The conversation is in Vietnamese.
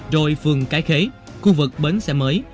rồi phường cái khế khu vực bến xe mới